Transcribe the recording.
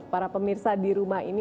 para pemirsa di rumah ini